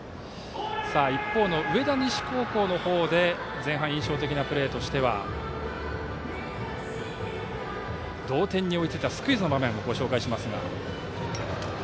一方の上田西高校の方で前半、印象的なプレーとしては同点に追いついたスクイズの場面をご紹介します。